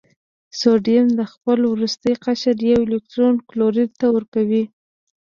سوډیم د خپل وروستي قشر یو الکترون کلورین ته ورکوي.